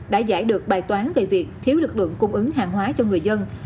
đã giải được bài toán về việc thiếu lực lượng cung ứng hàng hóa cho người dân